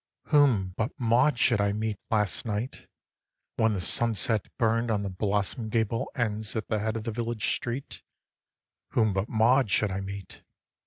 2. Whom but Maud should I meet Last night, when the sunset burn'd On the blossom'd gable ends At the head of the village street, Whom but Maud should I meet?